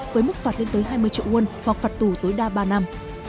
với mức phạt lên tới hai mươi triệu won hoặc phạt tù tối đa ba năm